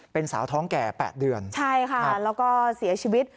เป็นสาวท้องแก่๘เดือนใช่ค่ะแล้วก็เสียชีวิต